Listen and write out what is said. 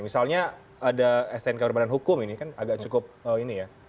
misalnya ada stnk berbadan hukum ini kan agak cukup ini ya